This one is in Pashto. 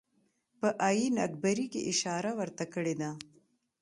په آیین اکبري کې اشاره ورته کړې ده.